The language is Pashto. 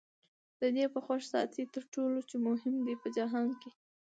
دی به خوښ ساتې تر ټولو چي مهم دی په جهان کي